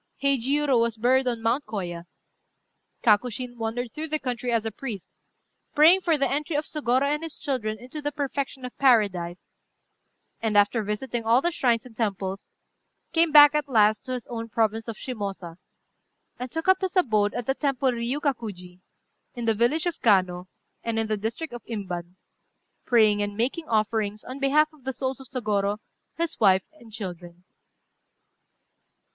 Heijiurô was buried on Mount Kôya. Kakushin wandered through the country as a priest, praying for the entry of Sôgorô and his children into the perfection of paradise; and, after visiting all the shrines and temples, came back at last to his own province of Shimôsa, and took up his abode at the temple Riukakuji, in the village of Kano, and in the district of Imban, praying and making offerings on behalf of the souls of Sôgorô, his wife and children.